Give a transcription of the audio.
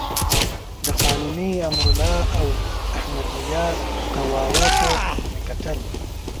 د قانوني، امرالله او احمد ضیاء قوارو ته مې کتل.